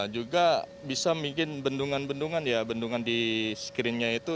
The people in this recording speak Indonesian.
juga bisa mungkin bendungan bendungan ya bendungan di screennya itu